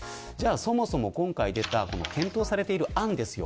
そもそも今回出た検討されている案です。